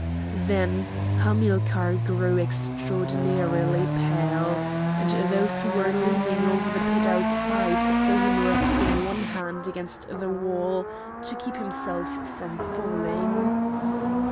Then Hamilcar grew extraordinarily pale, and those who were leaning over the pit outside saw him resting one hand against the wall to keep himself from falling.